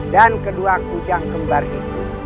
dan kedua kujang kembar itu